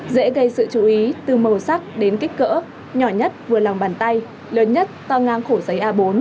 dễ gây sự chú ý từ màu sắc đến kích cỡ nhỏ nhất vừa lòng bàn tay lớn nhất to ngang khổ giấy a bốn